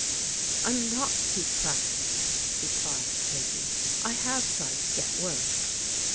" I'm not too proud," replied Peggy. " I have tried to get work."